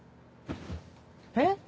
えっ？